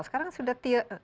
sekarang sudah tier